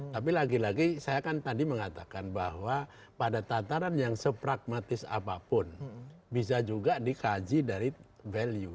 tapi lagi lagi saya kan tadi mengatakan bahwa pada tataran yang sepragmatis apapun bisa juga dikaji dari value